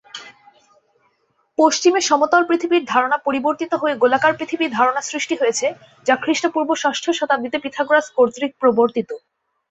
পশ্চিমে সমতল পৃথিবীর ধারণা পরিবর্তিত হয়ে গোলাকার পৃথিবী ধারণা সৃষ্টি হয়েছে; যা খ্রিস্টপূর্ব ষষ্ঠ শতাব্দীতে পিথাগোরাস কর্তৃক প্রবর্তিত।